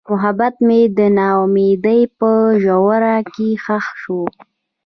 محبت مې د نا امیدۍ په ژوره کې ښخ شو.